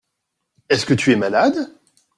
Est-ce que tu es malade ?